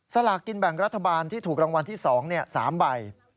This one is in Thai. สลากกินแบ่งรัฐบาลที่ถูกรางวัลที่๒๓ใบ